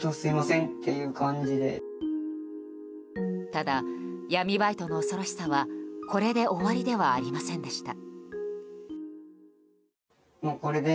ただ、闇バイトの恐ろしさはこれで終わりではありませんでした。